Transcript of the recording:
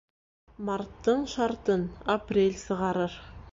Марттың шартын апрель сығарыр.